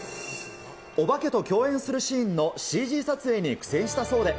おばけと共演するシーンのＣＧ撮影に苦戦したそうで。